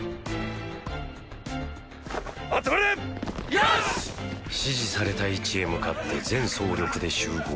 ヨーシッ！指示された位置へ向かって全走力で集合。